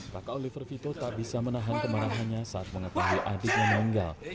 kakak oliver vito tak bisa menahan kemarahannya saat mengetahui adiknya meninggal